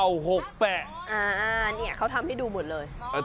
อันนี้เขาทำให้ดูหมดเลย